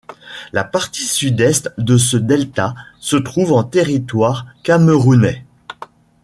La partie Sud-Est de ce delta se trouve en territoire camerounais.